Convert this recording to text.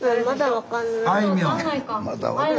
分かんないか。